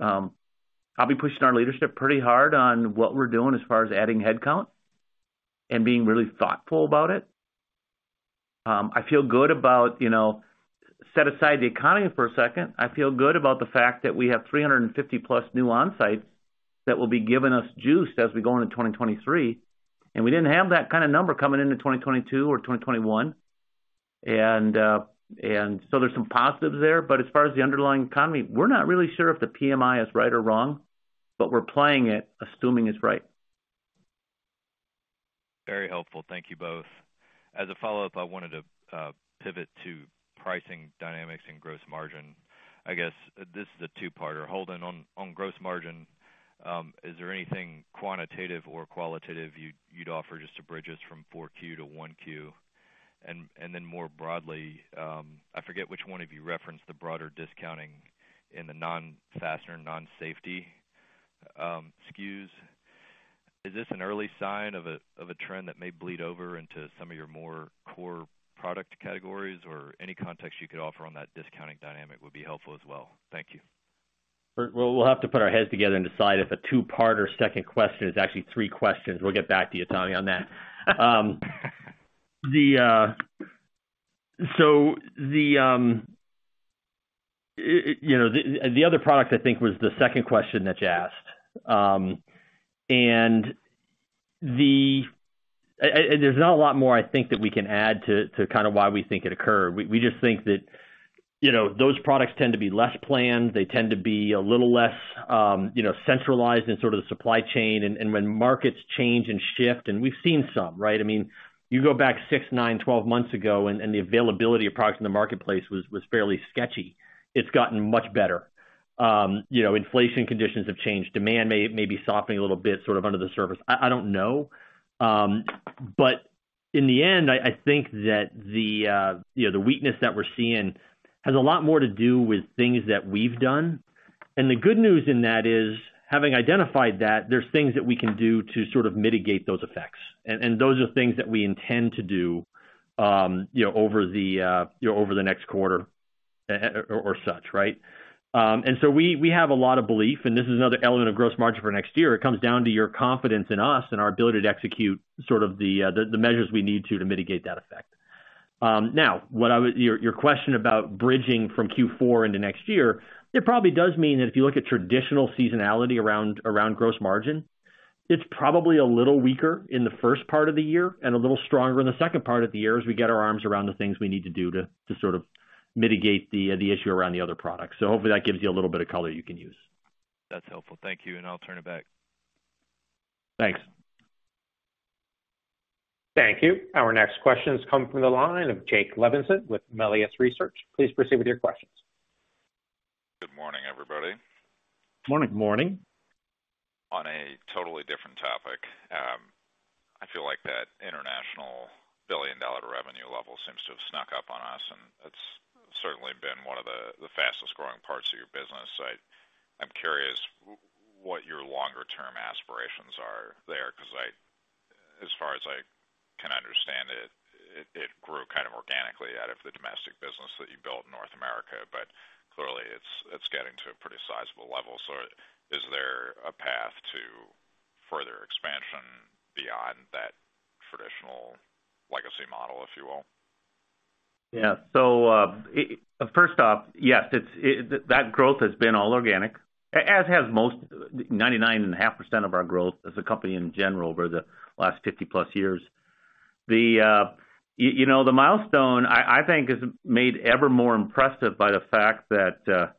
I'll be pushing our leadership pretty hard on what we're doing as far as adding headcount and being really thoughtful about it. I feel good about, you know, set aside the economy for a second. I feel good about the fact that we have 350+ new Onsites that will be giving us juice as we go into 2023, and we didn't have that kind of number coming into 2022 or 2021. There's some positives there. As far as the underlying economy, we're not really sure if the PMI is right or wrong, but we're playing it, assuming it's right. Very helpful. Thank you both. As a follow-up, I wanted to pivot to pricing dynamics and gross margin. I guess this is a two-parter. Holden, on gross margin, is there anything quantitative or qualitative you'd offer just to bridge us from 4Q to 1Q? Then more broadly, I forget which one of you referenced the broader discounting in the non-fastener, non-safety, SKUs. Is this an early sign of a trend that may bleed over into some of your more core product categories? Any context you could offer on that discounting dynamic would be helpful as well. Thank you. We'll have to put our heads together and decide if a 2-parter second question is actually 3 questions. We'll get back to you, Tommy, on that. The, it... You know, the other product, I think, was the second question that you asked. The, and there's not a lot more, I think, that we can add to kinda why we think it occurred. We just think that, you know, those products tend to be less planned. They tend to be a little less, you know, centralized in sort of the supply chain. When markets change and shift, and we've seen some, right? I mean, you go back 6, 9, 12 months ago, and the availability of products in the marketplace was fairly sketchy. It's gotten much better. You know, inflation conditions have changed. Demand may be softening a little bit, sort of under the surface. I don't know. In the end, I think that the, you know, the weakness that we're seeing has a lot more to do with things that we've done. The good news in that is, having identified that, there's things that we can do to sort of mitigate those effects. Those are things that we intend to do, you know, over the, you know, over the next quarter, or such, right? So we have a lot of belief, and this is another element of gross margin for next year. It comes down to your confidence in us and our ability to execute sort of the measures we need to mitigate that effect. Now, your question about bridging from Q4 into next year, it probably does mean that if you look at traditional seasonality around gross margin, it's probably a little weaker in the first part of the year and a little stronger in the second part of the year as we get our arms around the things we need to do to sort of mitigate the issue around the other products. Hopefully that gives you a little bit of color you can use. That's helpful. Thank you. I'll turn it back. Thanks. Thank you. Our next question has come from the line of Jake Levinson with Melius Research. Please proceed with your questions. Good morning, everybody. Morning. Morning. On a totally different topic, I feel like that international billion-dollar revenue level seems to have snuck up on us, and it's certainly been one of the fastest-growing parts of your business. I'm curious what your longer-term aspirations are there because as far as I can understand it grew kind of organically out of the domestic business that you built in North America. Clearly it's getting to a pretty sizable level. Is there a path to further expansion beyond that traditional legacy model, if you will? Yeah. First off, yes, it's that growth has been all organic, as has most 99.5% of our growth as a company in general over the last 50-plus years. The, you know, the milestone, I think is made ever more impressive by the fact that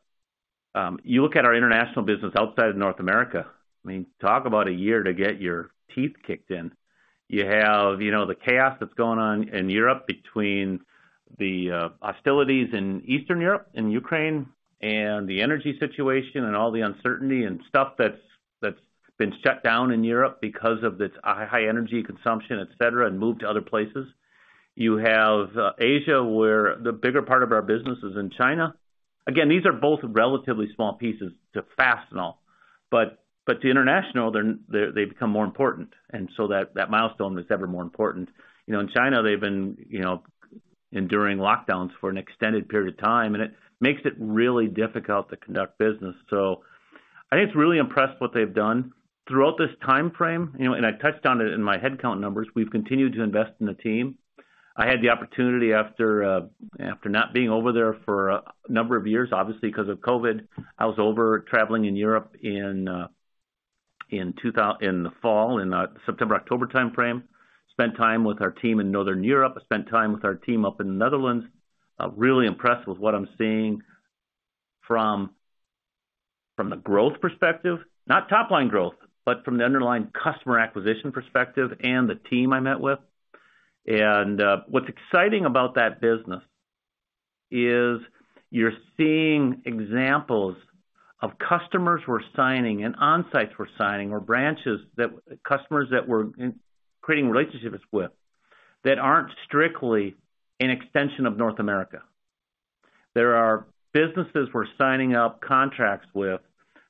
you look at our international business outside of North America, I mean, talk about a year to get your teeth kicked in. You have, you know, the chaos that's going on in Europe between the hostilities in Eastern Europe and Ukraine and the energy situation and all the uncertainty and stuff that's been shut down in Europe because of its high energy consumption, et cetera, and moved to other places. You have Asia, where the bigger part of our business is in China. These are both relatively small pieces to Fastenal, but to international, they become more important. That milestone is ever more important. You know, in China, they've been, you know, enduring lockdowns for an extended period of time, and it makes it really difficult to conduct business. I think it's really impressed what they've done. Throughout this timeframe, you know, I touched on it in my headcount numbers, we've continued to invest in the team. I had the opportunity after after not being over there for a number of years, obviously because of COVID, I was over traveling in Europe in the fall, in the September-October timeframe. Spent time with our team in Northern Europe. I spent time with our team up in the Netherlands. I'm really impressed with what I'm seeing from the growth perspective. Not top-line growth, but from the underlying customer acquisition perspective and the team I met with. What's exciting about that business is you're seeing examples of customers we're signing and Onsites we're signing or branches that we're creating relationships with that aren't strictly an extension of North America. There are businesses we're signing up contracts with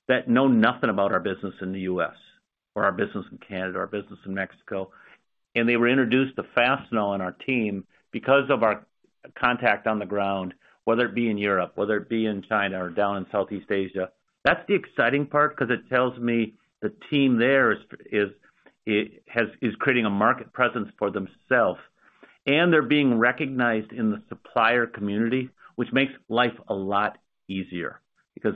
that know nothing about our business in the US or our business in Canada or our business in Mexico, and they were introduced to Fastenal and our team because of our contact on the ground, whether it be in Europe, whether it be in China or down in Southeast Asia. That's the exciting part because it tells me the team there is creating a market presence for themselves, and they're being recognized in the supplier community, which makes life a lot easier.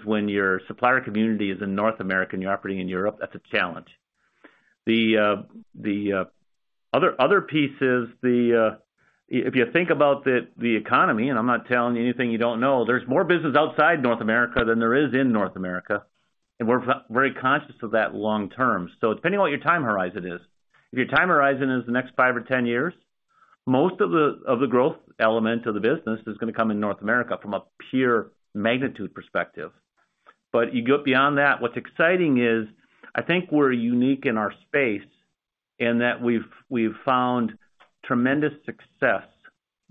When your supplier community is in North America and you're operating in Europe, that's a challenge. The other piece is if you think about the economy, and I'm not telling you anything you don't know, there's more business outside North America than there is in North America, and we're very conscious of that long term. Depending on what your time horizon is, if your time horizon is the next 5 or 10 years, most of the growth element of the business is gonna come in North America from a pure magnitude perspective. You go beyond that, what's exciting is I think we've found tremendous success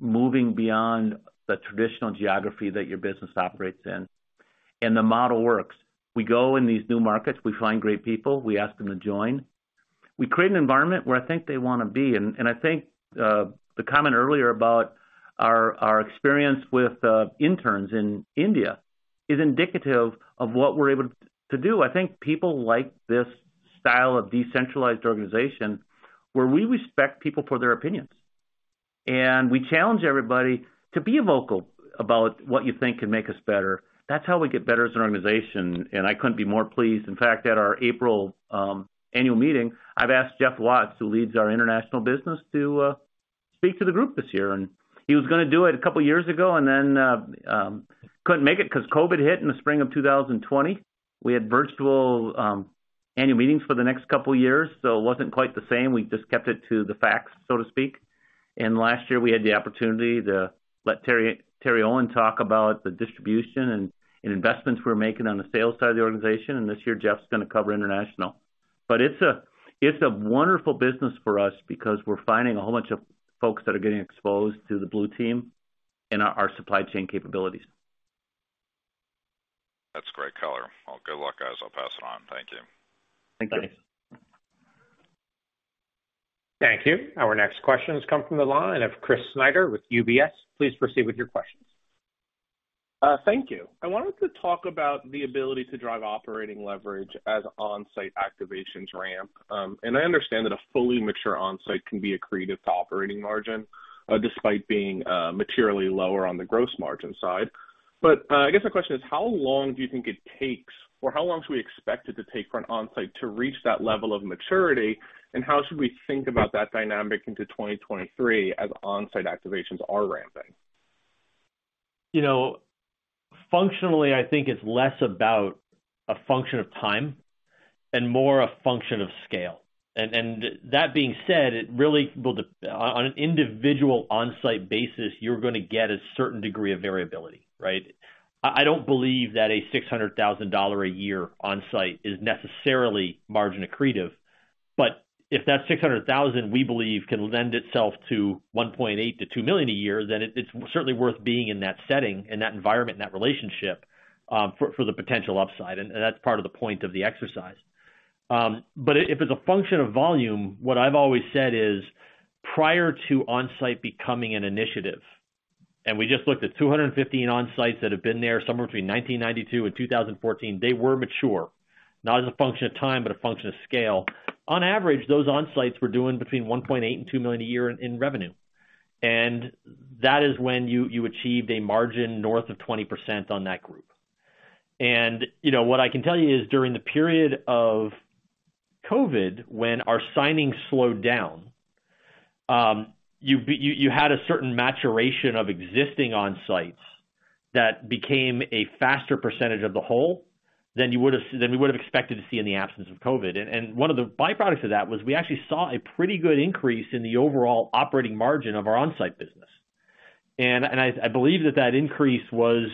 moving beyond the traditional geography that your business operates in, and the model works. We go in these new markets, we find great people, we ask them to join. We create an environment where I think they wanna be. I think the comment earlier about our experience with interns in India is indicative of what we're able to do. I think people like this style of decentralized organization where we respect people for their opinions, and we challenge everybody to be vocal about what you think can make us better. That's how we get better as an organization. I couldn't be more pleased. In fact, at our April annual meeting, I've asked Jeff Watts, who leads our international business to speak to the group this year. He was gonna do it a couple years ago and then couldn't make it 'cause COVID hit in the spring of 2020. We had virtual annual meetings for the next couple years, so it wasn't quite the same. We just kept it to the facts, so to speak. Last year, we had the opportunity to let Terry Olin talk about the distribution and investments we're making on the sales side of the organization. This year, Jeff's gonna cover international. It's a wonderful business for us because we're finding a whole bunch of folks that are getting exposed to the Blue Team and our supply chain capabilities. That's great color. Well, good luck, guys. I'll pass it on. Thank you. Thank you. Thank you. Our next question has come from the line of Christopher Snyder with UBS. Please proceed with your questions. Thank you. I wanted to talk about the ability to drive operating leverage as Onsite activations ramp. I understand that a fully mature Onsite can be accretive to operating margin, despite being materially lower on the gross margin side. I guess my question is, how long do you think it takes, or how long should we expect it to take for an Onsite to reach that level of maturity? How should we think about that dynamic into 2023 as Onsite activations are ramping? You know, functionally, I think it's less about a function of time and more a function of scale. That being said, it really will on an individual Onsite basis, you're gonna get a certain degree of variability, right? I don't believe that a $600,000 a year Onsite is necessarily margin accretive. If that $600,000, we believe, can lend itself to $1.8 million-$2 million a year, then it's certainly worth being in that setting, in that environment, in that relationship, for the potential upside. That's part of the point of the exercise. If it's a function of volume, what I've always said is prior to Onsite becoming an initiative, and we just looked at 215 Onsites that have been there somewhere between 1992 and 2014, they were mature, not as a function of time, but a function of scale. On average, those Onsites were doing between $1.8 million and $2 million a year in revenue, and that is when you achieved a margin north of 20% on that group. You know, what I can tell you is during the period of COVID, when our signing slowed down, you had a certain maturation of existing Onsites that became a faster percentage of the whole than we would've expected to see in the absence of COVID. One of the byproducts of that was we actually saw a pretty good increase in the overall operating margin of our Onsite business. I believe that that increase was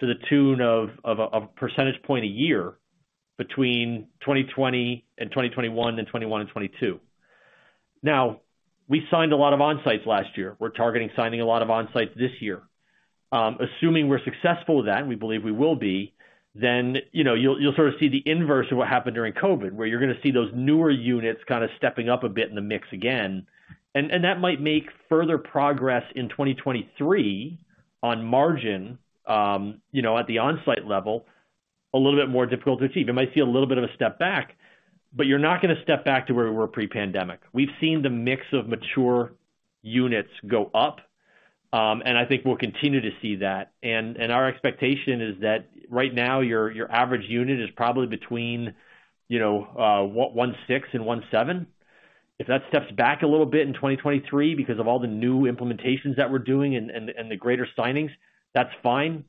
to the tune of a percentage point a year between 2020 and 2021 and 2021 and 2022. We signed a lot of Onsites last year. We're targeting signing a lot of Onsites this year. Assuming we're successful with that, and we believe we will be, you know, you'll sort of see the inverse of what happened during COVID, where you're gonna see those newer units kinda stepping up a bit in the mix again. That might make further progress in 2023 on margin, you know, at the Onsite level, a little bit more difficult to achieve. It might see a little bit of a step back, but you're not gonna step back to where we were pre-pandemic. We've seen the mix of mature units go up, and I think we'll continue to see that. Our expectation is that right now your average unit is probably between, you know, 1.6 and 1.7. If that steps back a little bit in 2023 because of all the new implementations that we're doing and the greater signings, that's fine.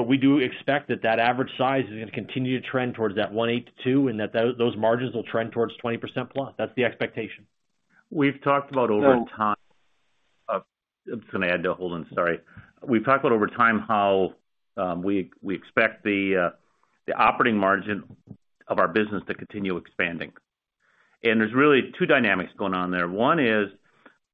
We do expect that that average size is gonna continue to trend towards that 1.8 to 2, and those margins will trend towards 20%+. That's the expectation. We've talked about over time. I'm just gonna add to Holden, sorry. We've talked about over time how we expect the operating margin of our business to continue expanding. There's really two dynamics going on there. One is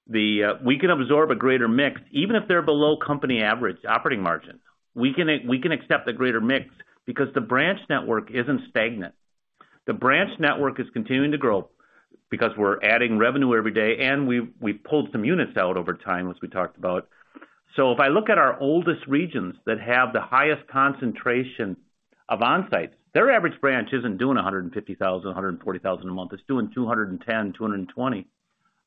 we can absorb a greater mix, even if they're below company average operating margin. We can accept the greater mix because the branch network isn't stagnant. The branch network is continuing to grow because we're adding revenue every day, and we've pulled some units out over time, as we talked about. So if I look at our oldest regions that have the highest concentration of Onsites, their average branch isn't doing $150,000, $140,000 a month. It's doing $210,000, $220,000.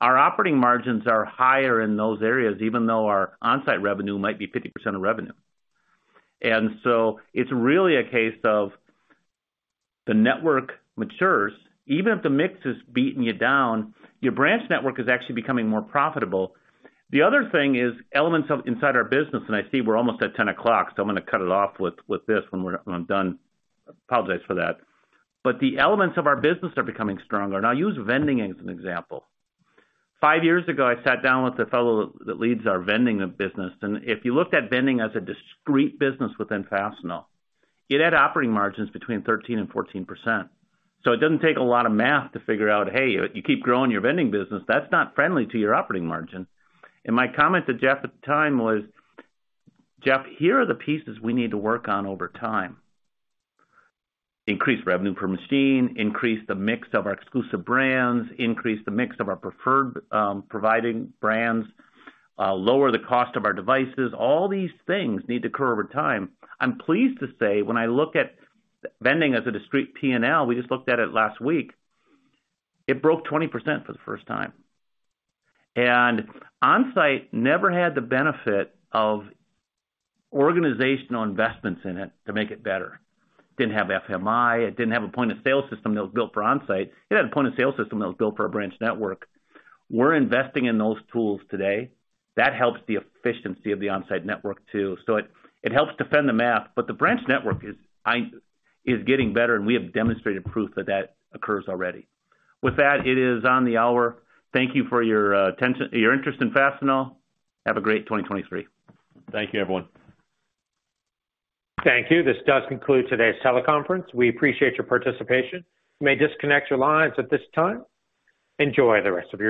Our operating margins are higher in those areas, even though our Onsite revenue might be 50% of revenue. It's really a case of the network matures. Even if the mix is beating you down, your branch network is actually becoming more profitable. The other thing is elements of inside our business, and I see we're almost at ten o'clock, so I'm gonna cut it off with this when I'm done. Apologize for that. The elements of our business are becoming stronger. I'll use vending as an example. five years ago, I sat down with the fellow that leads our vending business, and if you looked at vending as a discrete business within Fastenal, it had operating margins between 13%-14%. It doesn't take a lot of math to figure out, hey, you keep growing your vending business, that's not friendly to your operating margin. My comment to Jeff at the time was, "Jeff, here are the pieces we need to work on over time. Increase revenue per machine, increase the mix of our exclusive brands, increase the mix of our preferred providing brands, lower the cost of our devices. All these things need to occur over time." I'm pleased to say, when I look at vending as a discrete P&L, we just looked at it last week, it broke 20% for the first time. Onsite never had the benefit of organizational investments in it to make it better. Didn't have FMI, it didn't have a point-of-sale system that was built for Onsite. It had a point-of-sale system that was built for a branch network. We're investing in those tools today. That helps the efficiency of the Onsite network too. It helps defend the math, but the branch network is getting better, and we have demonstrated proof that that occurs already. With that, it is on the hour. Thank you for your interest in Fastenal. Have a great 2023. Thank you, everyone. Thank you. This does conclude today's teleconference. We appreciate your participation. You may disconnect your lines at this time. Enjoy the rest of your day.